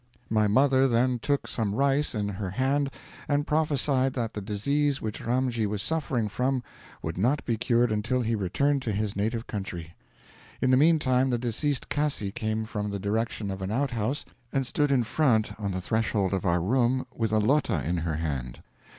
My mother then took some rice in her hand and prophesied that the disease which Ramji was suffering from would not be cured until he returned to his native country. In the meantime the deceased Casi came from the direction of an out house, and stood in front on the threshold of our room with a 'lota' in her hand.